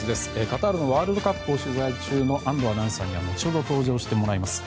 カタールワールドカップを取材中の安藤アナウンサーには後ほど登場してもらいます。